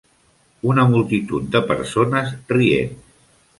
Una multitud de persones rient.